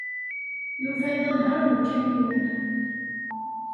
Yuba d anehhaṛ n ukamyun.